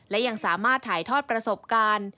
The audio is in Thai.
และยังสามารถถ่ายทอดประสบการณ์